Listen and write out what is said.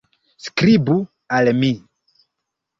Skribu al mi!